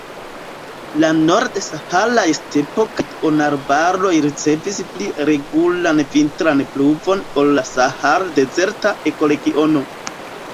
La nord-saharaj stepo kaj duonarbaroj ricevas pli regulan vintran pluvon ol la sahar-dezerta ekoregiono.